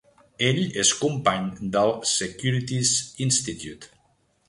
Ell és company del Securities Institute.